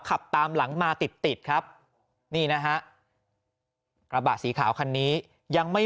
ขับตามหลังมาติดติดครับนี่นะฮะกระบะสีขาวคันนี้ยังไม่